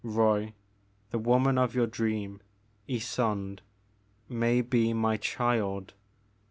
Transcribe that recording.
Roy, the woman of your dream, Ysonde, may be my child.